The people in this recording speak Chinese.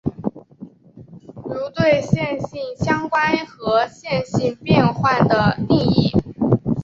如对线性相关和线性变换的定义。